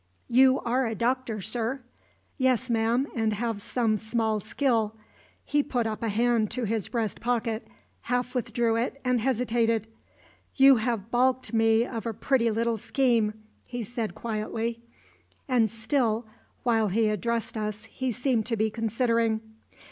"You are a doctor, sir?" "Yes, ma'am, and have some small skill." He put up a hand to his breast pocket, half withdrew it, and hesitated. "You have baulked me of a pretty little scheme," he said quietly. And still while he addressed us he seemed to be considering.